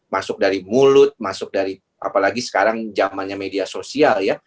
masuk dari mulut masuk dari apalagi sekarang zamannya media sosial ya